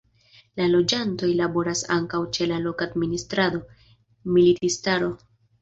La loĝantoj laboras ankaŭ ĉe la loka administrado, militistaro.